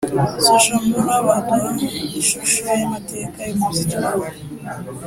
Social Mula, waduha ishusho y’amateka y’umuziki wawe?